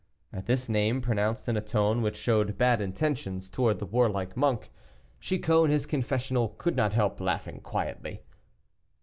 At this name, pronounced in a tone which showed bad intentions towards the warlike monk, Chicot in his confessional could not help laughing quietly.